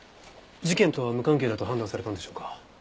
事件とは無関係だと判断されたんでしょうか？